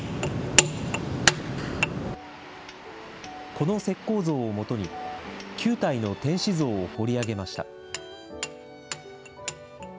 この石こう像をもとに、９体の天使像を彫り上げました。